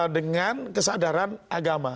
dengan kesadaran agama